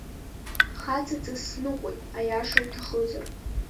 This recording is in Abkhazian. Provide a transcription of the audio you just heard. Хаҵаҵас сныҟәеит, аиаша уҭахызар!